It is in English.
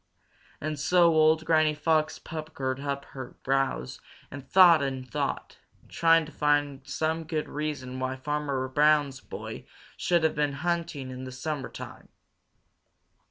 And so old Granny Fox puckered up her brows and thought and thought, trying to find some good reason why Farmer Brown's boy should have been hunting in the summertime.